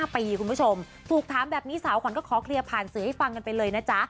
๕ปีคุณผู้ชมถูกถามแบบนี้สาวขวัญก็ขอเคลียร์ผ่านสื่อให้ฟังกันไปเลยนะจ๊ะ